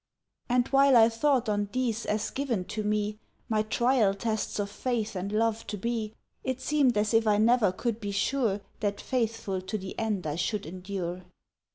And while I thought on these, as given to me, My trial tests of faith and love to be, It seemed as if I never could be sure That faithful to the end I should endure.